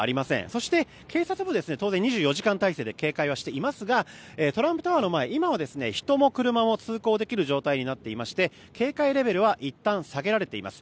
そして、警察も２４時間態勢で警戒していますがトランプタワーの前今は人も車も通行できる状態になっていまして警戒レベルはいったん下げられています。